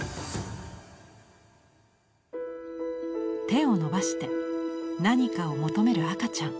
手を伸ばして何かを求める赤ちゃん。